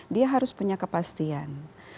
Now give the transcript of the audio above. dia harus punya kepastian